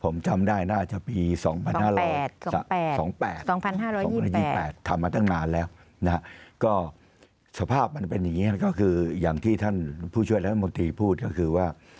มันเป็นอย่างนี้ก็คืออย่างที่ท่านผู้ช่วยแล้วท่านหมดทีพูดก็คือว่า